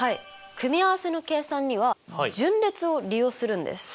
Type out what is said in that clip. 組合せの計算には順列を利用するんです。